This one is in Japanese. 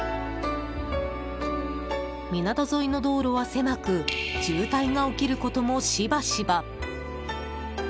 港沿いの道路は狭く渋滞が起きることもしばしば。